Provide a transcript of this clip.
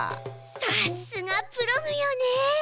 さすがプログよね。